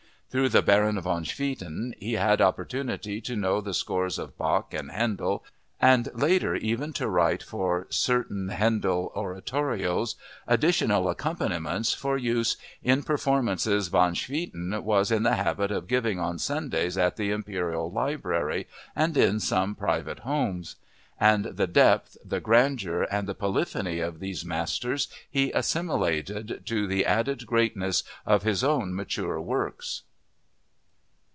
Through the Baron van Swieten he had an opportunity to know the scores of Bach and Handel and later even to write for certain Handel oratorios "additional accompaniments" for use in performances Van Swieten was in the habit of giving on Sundays at the Imperial Library and in some private homes. And the depth, the grandeur, and the polyphony of these masters he assimilated to the added greatness of his own most mature works.